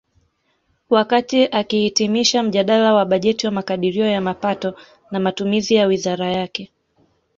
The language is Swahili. Wakati akihitimisha mjadala wa bajeti wa makadirio ya mapato na matumizi ya wizara yake